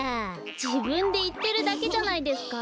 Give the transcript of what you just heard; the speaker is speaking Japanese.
じぶんでいってるだけじゃないですか。